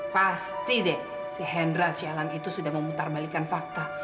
pasti deh si hendra sialan itu sudah memutarbalikan fakta